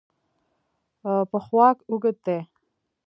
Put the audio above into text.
پښواک اوږد دی.